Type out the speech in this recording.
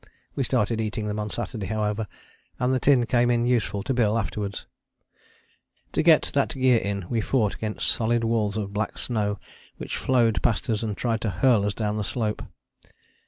We started eating them on Saturday, however, and the tin came in useful to Bill afterwards. To get that gear in we fought against solid walls of black snow which flowed past us and tried to hurl us down the slope.